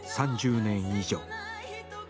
３０年以上。